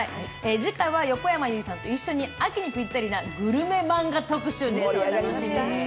次回は横山由依さんと一緒に秋にぴったりなグルメマンガ特集です。